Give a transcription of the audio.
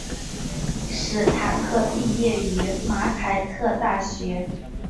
史塔克毕业于马凯特大学。